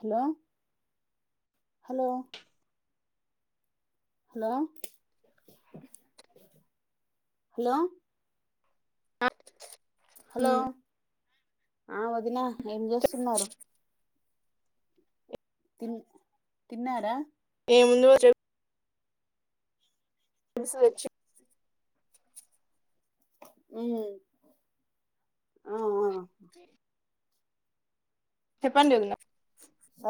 Hello hello hello hello ఆ hello ఆ వదిన ఏం చేస్తున్నారు తిన్ తిన్నారా [unintelligible] [unintelligible] ఆ ఫ చెప్పండి వదిన [unintelligible]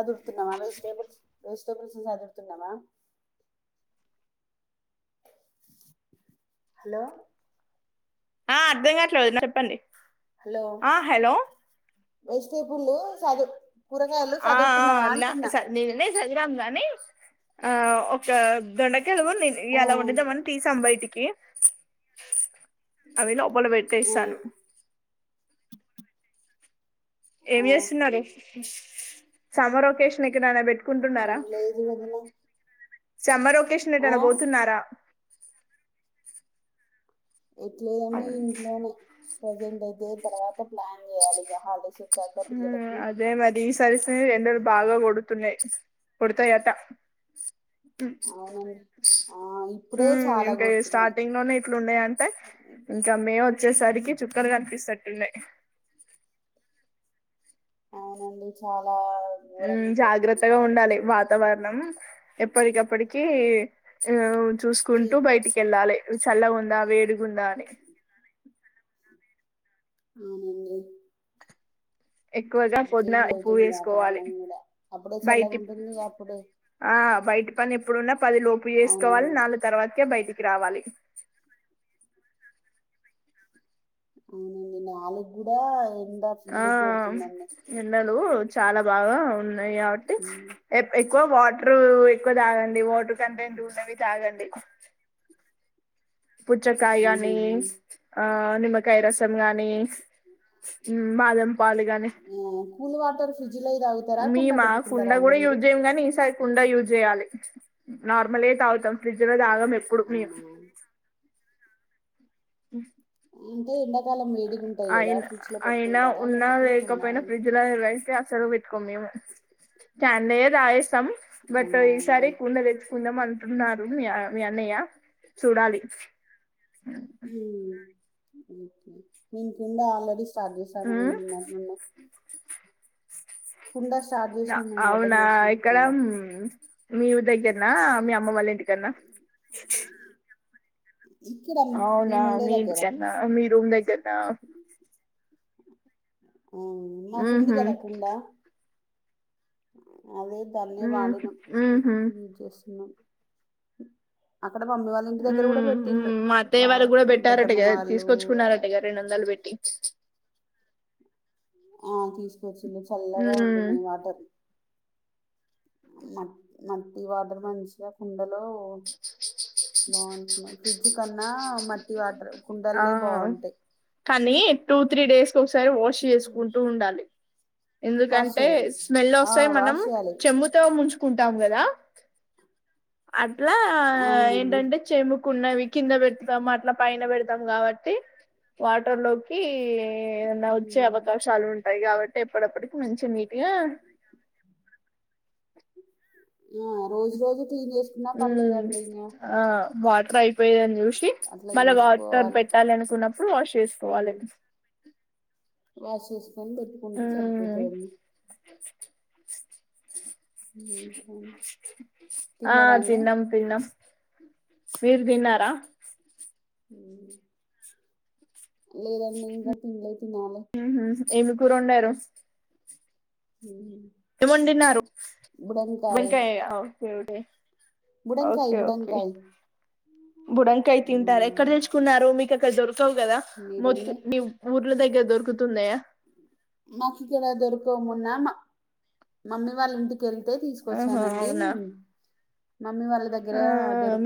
వెజిటేబుల్స్ వెజిటేబుల్స్ చదువుతున్నావా హలో ఆ అర్ధం గట్లే వదిన చెప్పండి హలో ఆ హలో వెజిటేబుల్ చదు ఆఆ చదిరామ్ గాని ఆ ఒక దొండకెలవేను ఇ ఆ అలా ఉంద్దామని తీటీసాం బయటికి అవి లోపలు ఆ పెట్టేస్తను ఏం ఆహా చేస్తున్నారు సమ్మర్ ఒకేషన్ ఇక్కడనా పెట్ ఏం లేదు వదిన సమ్మర్ ఒకేషన్ ఆ ఏట్నా పోతున్నారా ఎట్లేదని అవును ఇంట్లోనే ప్రజెంట్ అయితే తర్వా త ప్లాన్ చేయాలిగా హాలిడేస్ వాచక పిల్లలకి సరిస్తుయి ఎండలు బాగా కొడుతున్నాయి కొడతాయట అవును ఆ ఇప్పుడే చాలా ఇంకా కొడుతున్నాయి స్టార్టింగ్ లోనే ఇట్లు ఉన్నాయి అంటే ఇంకా మే వచ్చేసరికి చుక్కలు కనిపిస్తుట్టున్నాయి అవునండి చాలా ఘోరంగా ఉండట్టుంది జాగ్రత్తగా ఎండలు ఉండాలి వాతావరు మనం ఎప్పటికప్పటికి ఆ ఛీ చూసుకుంటూ బయటికి వెళ్ళాలి చల్ల ఉందా వేడుగు ఉందా అని అవునండి ఎక్కువగా పొద్దున చేంజ్ ఉప్పు అయితుంది వేసుకోవాలి వాతవరణం కూడ అప్పుడే బయటి చెల్లగుంటుంది అప్పుడ ఆ బయట్ పని ఎప్పుడున్నా పది లోపు చేసుకోవాలి అవునండి నాలుగు తర్వాతకే బయటికి రావాలి అవునండి నాలుగు కూడా ఎండ ఆ ఫుల్లు కొడుతుందండి ఎండలు చాలా బాగా ఉ ఉన్నాయి కాబట్టి ఉమ్. ఎక్కువ వాటర్ ఎక్కువ తాగండి వాటర్ కంటెంట్ ఉన్నవి తాగండి పుచ్చకాయ కాని అవునండి ఆ నిమ్మకాయ రసం గాని బాదం పాలు గానీ ఆ, కూల్ వాటర్ ఫ్రిజ్ మీ మా కుండా కూడా యూజ్ చేయం గానీ ఈసారి కుండా యూజ్ నార్మల్ తాగుతాం ఫ్రిడ్జ్ లో తాగం ఎప్పుడు మేం అవునా ఉ [unintelligible] ఉంటాయి కదా అయినా ఫ్రిడ్జ్ లో అయినా పెట్టుకుంటారా ఉన్నా లేకపోతే లేకపోయినా కొన్నాను ఫ్రిడ్జ్ లో అసలు [unintelligible] బట్ అవునా ఈసారి అవునా. కూలర్ తెచ్చుకుందాం అంటున్నారు అన్నయ చూడాలి మీ కుండా ఆల్రెడీ మ్మ్ [unintelligible] కుండ స్టార్ట్ చేసినాం మేము ఓపెన్ అవునా చేసినాం ఇక్కడ కుండ మీ ఊరి దగ్గరన్న మీ అమ్మ వాళ్ళ ఇంటికన్నా ఇక్కడ అవునా మేము ఉండే మీ దగ్గర ఇంటికన్నా మీ రూమ్ దగ్గరనా ఆ మాకుంది ఉహు కదా కుండా అదే దాన్నే ఉహు వాడుదాం ఉహు యూజ్జేస్తున్న అక్కడ మమ్మి వాళ్లింటి దగ్గర గూడ ఉమ్ ఉమ్ పెట్టిల్ళు మా అత్తయ్య వారిగ్గుడా పెట్టారంటగద అలా తీసుకొచ్చుకున్నారంటగద, రెండొందలు పెట్టి ఆ తీసుకొచ్చిళ్ళు చల్లగా ఉమ్ ఉంటున్నయి వాటర్ న న కీ వాటర్ మంచిగ కుండలో బావుంటున్నయి ఫ్రిడ్జ్ కన్నా మట్టి వాటర్ కుండలే బావుంటయి. కనీ టూ త్రీ డేస్ కొకసారి వాష్ చేసుకుంటూ ఉండాలి వాష్ ఎందుకంటే చేయాలి స్మెల్ ఆ వస్తది మనం వాష్ చేయాలి చెంబుతో ముంచుకుంటాం గదా అట్లా అవునండి ఏంటంటే చెంబుకున్నవి కింద పెట్టుతము అట్లా పైన పెడతాం గాబట్టి వాటర్ లోకి ఏదన్న వచ్చే ఉమ్, అవకాశాలు ఉన్ మంచిగుంది టయ్ గాబట్టి ఎప్ ఆ రోజు రోజు క్లీన్ జేసుకున్నా మ్మ్ పర్లేదండి ఇంగ ఆ వాటర్ అయిపోయ్యాయన్ జూస్ కి అట్లా మళ్ళ వాటర్ చేసుకోవాలి పెట్టాలనుకున్నప్పుడు వాష్ చేసుకోవాలి ఉమ్, వాష్ చేసుకొని పెట్టుకుంటే మ్మ్ సరిపోతదండి ఉమ్, ఆ తిన్నారా అండి తిన్నం తిన్నం మీర్ దిన్నారా? ఉమ్ లేదడింగ తిన్లే తినాలె. మ్మ్ ఏమి కూర వండారు? ఉమ్ హు ఏమొండిన్నారు? బెండ్కాయ ఓకె ఓకె బుడంకాయ ఓకే ఓకే బుడంకాయ బుడంకాయ్ తింటార? ఎక్కడ ఉమ్, తెచ్చుకున్నారూ? మీకక్కడ దొరకవు గదా మొత్తం మీరండి మీ ఊర్ల దగ్గర దొర్కుతున్నయా? మాకిిక్కడ దొరుకవ్ మొన్నా మ మమ్మీ వాల్లింటికి కెల్తే ఆహా తీసుకొచ్చానండి. అవునా మమ్మీ వాళ్ళ ఆ దగ్గరా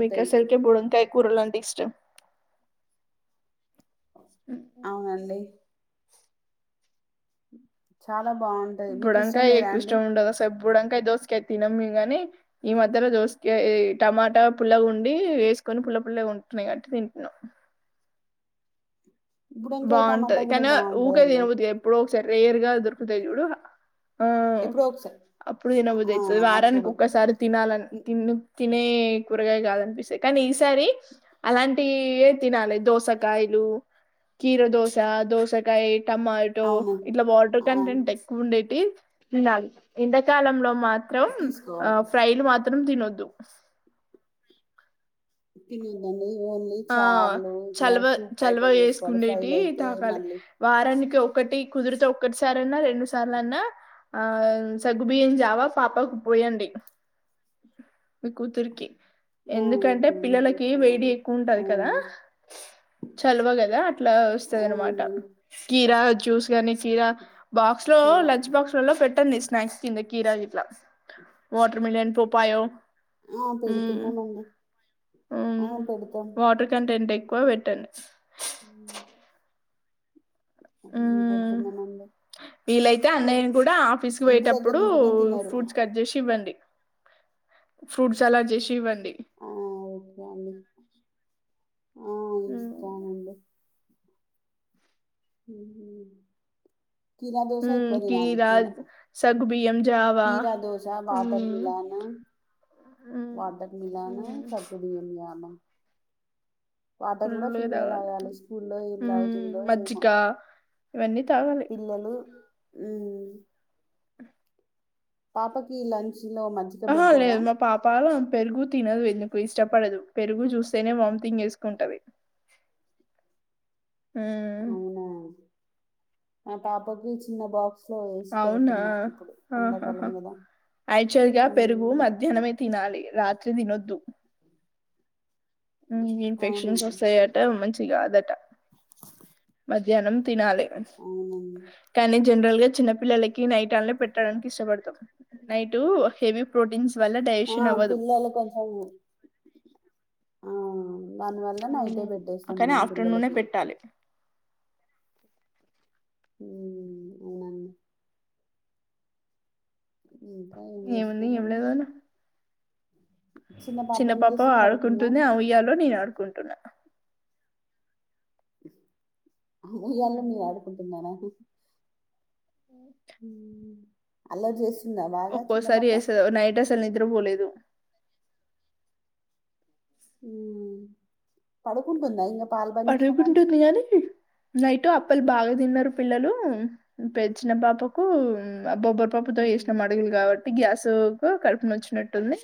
మీకు అసలుకే బుడంకాయ కూరలు అంటే ఇష్టం అవునండి చాల్ బుడంకాయ్ ఎక్కువిష్టం ఉండదస్సలు బుడంకాయ్ దోసకాయ్ తినం మేం గని ఈ మధ్యలో దోస్కి టమాటా పుల్లగుండి వేసుకొని పుల్ల పుల్లగా వొండ్ టున్నయ్ గాబట్టి తింట్నవ్ బుడంకాయ టమాటా బావుంటది కూడా కనీ ఊకే బాగుంటదండి తినబుద్దిగాద్ ఎప్పుడోకసారి రేర్ గా దొరుకుతయి చూడు ఆ ఎప్పుడోకసార్ అప్పుడు తినబుద్ధయితది వారానికి ఒక్కసారి తినాలన్ ఇ- తిన్ తినే కూరగాయ కాదనిపిస్తయి కనీ ఈసారి అలాంటియి ఏద్తినాలి దోసకాయలు కీర దోసా, దోసకాయ, టమాటో అవును ఇట్ల వాటర్ ఆ కంటెంట్ ఎక్కువుండేటివ్ ఎండాకాలంలో మాత్రం ఆ తీసుకోవాలి ఫ్రైలు మాత్ త్రం తినోద్దు తినొద్దండి ఓన్లీ ఆ చార్లు ఇట్లా చలువ సూప్ టైప్ చలువ చేసుకోవాలి చేసుకుండేటి ఫ్రైలు అయితే తాగాలి మళ్ళీ వారానికి ఒక్ ఒకటి కుదురుతే ఒక్కటిసారన్నా రెండు సార్లన్నా ఆ సగ్గు బియ్యం జావ పాపకు పొయ్ పోయండి మీ కూతురుకి ఆ ఎందుకంటే ఓకే అండి పిల్లలకి వేడి పోస్తామండి ఎక్కువుంటది ఆ కదా చలవ కదా అట్లా ఒస్తదనమాట అవునండి కీరా జ్ జూస్ గాని ఖీరా బాక్స్ లో చెయ్య లంచ్ బాక్స్ లలో పెట్టండి స్నాక్స్ కింద కీరా గిట్లా వాటర్ మిలన్, పోప్పయో ఆ పెడుతున్నామండి ఆ హ్మ్ పెడతాం వాటర్ కంటెంట్ ఎక్కువ పెట్టండి ఉమ్, ఉమ్ పెడుతున్నామండి వీలైతే అన్నయ్యని కూడా ఆఫీస్ కు ఇంటి దగ్గర పోయేటప్పుడు ఉంటేనే తినరు ఫ్రూట్స్ కట్ చేసి ఇవ్వండి ఫ్రూట్ సలాడ్ చేసి ఇవ్వండి ఆ ఓకే అండి ఆ ఉమ్ ఇస్తానండి ఊహూ కీరా దోస ఇప్పదినాలుగు కీరా సగ్గుబియ్యం జావా కీరా దోస వాటర్ ఉమ్ మిలాను వాటర్ మిలాను సగ్గుబియ్యం జావ వాటర్ కూడా ఫుల్గా తాగాలి స్కూల్లో ఏం హ్మ్ తాగుతుందో ఏమో మజ్జిగ ఆ ఇవన్నీ తాగాలి హ్మ్ పాపకి లంచ్ లో మజ్జిగ ఆహ పెడతారా లేదు మా పాప పెరుగు తినదు ఎందుకు ఇష్టపడదు పెరుగు చూస్తేనే వామిటింగ్ చేసుకుంటది హ్మ్ అవునా మా పాపకి చిన్న బాక్స్ లో వేసి అవునా పెడుతున్నా ఇప్పుడు ఎండాకాలం ఆహాహా కదా యాక్చువల్గా పెరుగు మ్మ్. మధ్యాహ్నమే తినాలి రాత్రి తినొద్దు అవును ఇన్ఫెక్షన్స్ వస్తాయట మంచి కాదట మధ్యాహ్నం తినాలి అవునండి కానీ జనరల్ గా చిన్న పిల్లలకి నైట్ ఆనే పెట్టడానికి ఇష్టపడతాం నైట్ హెవీ ప్రోటీన్స్ వల్ ఆ, డేషన్ అవ్వదు పిల్లలు కొంచెం ఆ, దానివల్ల నైటే పెట్టేస్తాం అక్కనే మనం ఆఫ్టర్నూనే పిల్లలకి పెట్టాలి అను అకా ఏముంది నేషనలోని చిన్నపాప చేస్తుంది పడుకుందా ఆడుకుంటునే ఆయ్యాలో నేను ఆడుకుంటున్నా అమ్మయళ మీ ఆడుకుంటందానా అలా చేసి ఒక్కోసారి అసలు నైట్ అసలు నిద్రపోలేదు పడుకుంటందా ఇ పడవికుంటందియానీ నైటు అప్పలు బాగా తిన్నారు పిల్లలు పె చిన్న పాపకు బ్బబ్బరి హ్మ్. పాప్పుతోయేచన మడుగులు కాబట్టి గ్యాస్ తూకు కడుపున వచ్చినట్టుంది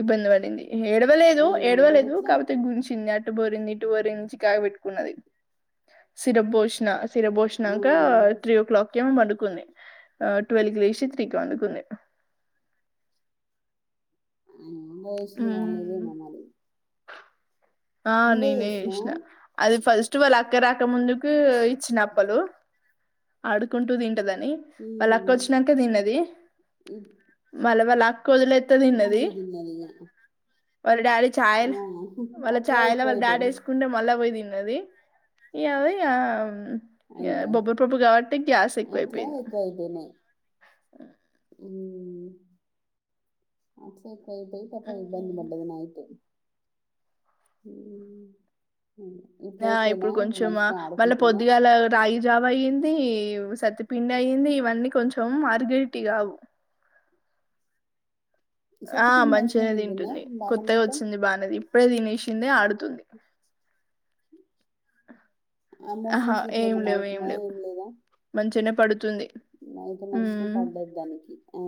ఇబ్బంది పడింది ఏడవలేదు అయ్యో మరి ఏడవలేదు ఎట్లా కాబపోతే గుంచింది అట్టుబోరింది ఇంచ కాయ పెట్టుకున్నది సిర పోషణ సిర ఆ, బోషణాంగా త్రీ ఓ్లాక్కి ఆ ట్వల్వ క్ లేషిత్రకి వకుంది ఎ వసంది కాలదు మమరి ఆ నేనే ఇసిన అది ఫస్ట్ వాళ్ళు అక్క రాక ముందుకు వచ్చినప్పలు ఆడుకుంటూ తింటదని వాళ్ళ అక్క హ్మ్. వచ్చినాక దన్నది ఇ- మళ్ళ వాళ్ళ కొదిలే ఎత్త్త నిన్నది మళ్ళీ తిన్నది ఇక ఒరిడారి చయ ఆ, వాళ్ళ అట్లా ఛాయ్ ల ఎక్కువ వాళ్ళ డాడ్ అయిపోయినాయి ఏసుకుంటే మళ్ళా పోయి తిన్నది యావయ్యా ఇగ అయ్యో బొబ్బరి పప్పు గాబట్టి గ్యాస్ అట్లా ఎక్కువైపోయింది ఎక్కువ అయిపోయినాయి ఔట్ సైడ్ కైతే [inaudible] ఇబ్బంది ఉమ్ పడ్డది నైటు ఊ ఆ ఇప్పుడు కొంచం మ మళ్ళ ఆడుకుంటుందా పొద్దిగాల రాగిజా వయింది సత్తిపిండి అయ్యింది ఇవన్నీ కొంచం మ అరిగేటివి గావు ఆ సత్తుపిండి మంచిగా మంచిగనే తింటున్నా తింటుంది కొత్తగా బాలమృతం వచ్చింది బానే ఇప్పుడే తినేసింది ఆడు [inaudible] ఆ అహా! మోసన్సు ఇట్ల ఏం ఏమన్నా లేవు, ఐతున్నయ లేవు. ఏం లేదా మంచిగనే పడుతుంది. అయితే మంచి [unintelligible] హ్మ్. పడలేదు దానికి ఆ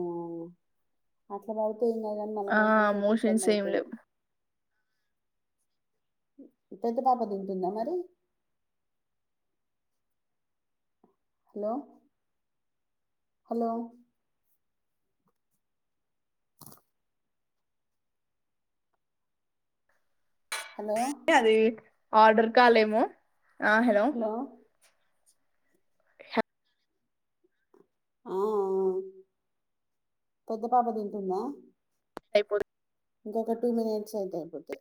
అట్లా బాగ్ తేయినా గానీ మళ్ళ ఆ! మోషన్స్ అయితే ఇబ్బంది ఏం ఐతది లేవు. పెద్ద పాప తింటుందా మరి హలో హలో హలో అది ఆర్డర్ కాలేమో ఆ హలో ఆ ఆ పెద్ద పాప తింటుందా అయిపోదు ఇంకొక టూ మినిట్స్ అయితే అయిపోతయ్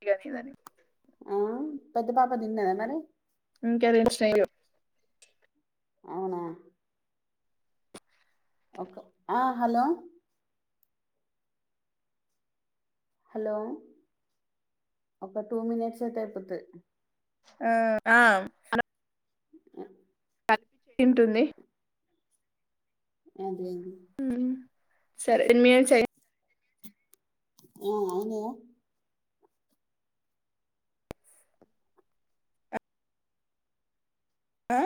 ఇంగ మీదని ఆ పెద్ద పాప తిన్నదా మరి ఇంక ఆదిమో స్టైలు అవునా ఓక ఆ హలో హలో ఒక టూ మినట్స్ అయితే అయిపోతది అ ఆ కలిపి చేయింటుంది అదే ఇది హ్మ్. సరే టెన్ మినిట్స్ అయి ఆ అయినయా అ